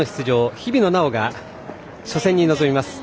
日比野菜緒が初戦に臨みます。